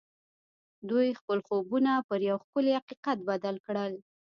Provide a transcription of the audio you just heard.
دوی خپل خوبونه پر یو ښکلي حقیقت بدل کړل